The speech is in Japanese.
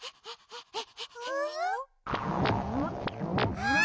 あっ！